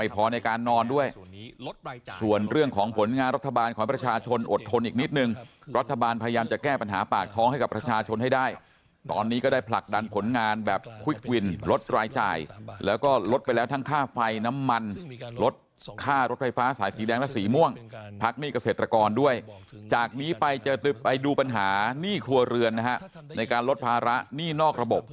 ไปดูปัญหาหนี้ครัวเรือนนะฮะในการลดภาระหนี้นอกระบบ